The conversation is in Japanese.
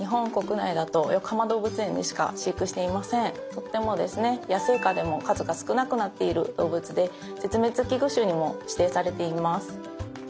とっても野生下でも数が少なくなっている動物で絶滅危惧種にも指定されています。